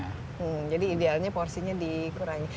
hmm jadi idealnya porsinya dikurangi